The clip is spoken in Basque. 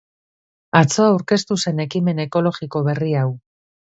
Atzo aurkeztu zen ekimen ekologiko berri hau.